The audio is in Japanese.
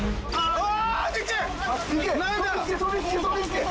うわ！